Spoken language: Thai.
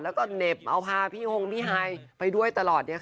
แล้วก็เนบเอาพาพี่หงค์ไปไปด้วยตลอด